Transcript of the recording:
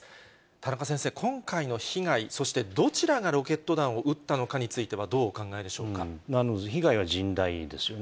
田中先生、今回の被害、そしてどちらがロケット弾を撃ったのかについては、どうお考えで被害は甚大ですよね。